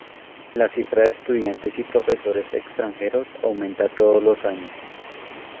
La cifra de estudiantes y profesores extranjeros aumenta todos los años.